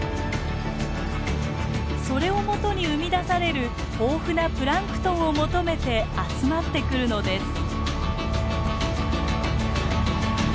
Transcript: それを元に生み出される豊富なプランクトンを求めて集まってくるのです。